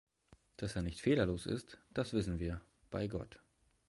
Dass er nicht fehlerlos ist, das wissen wir, bei Gott.